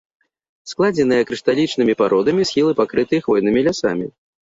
Складзеныя крышталічнымі пародамі, схілы пакрытыя хвойнымі лясамі.